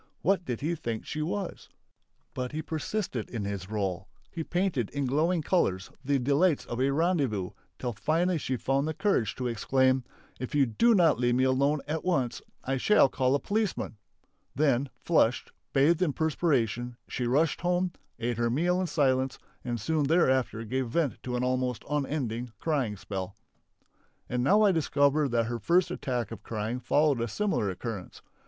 What did he think she was! But he persisted in his role; he painted in glowing colours the delights of a rendezvous, till finally she found the courage to exclaim: "If you do not leave me at once, I shall call a policeman!" Then, flushed, bathed in perspiration, she rushed home, ate her meal in silence and soon thereafter gave vent to an almost unending crying spell. And now I discover that her first attack of crying followed a similar occurrence.